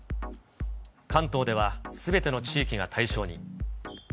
関東ではすべての地域が対象に。